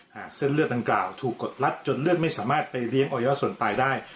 เส้นเลือดดังกล่าวถูกกดลัดจนเลือดไม่สามารถไปเลี้ยงอวัยวะส่วนตายได้